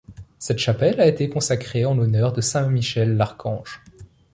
Cette chapelle a été consacrée en l'honneur de saint Michel l'archange.